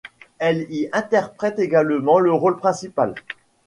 Elle y interprète également le rôle principal.